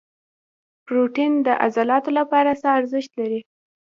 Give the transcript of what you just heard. پروټین د عضلاتو لپاره څه ارزښت لري؟